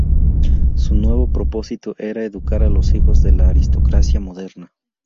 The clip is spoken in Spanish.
Su nuevo propósito era educar a los hijos de la aristocracia moderna.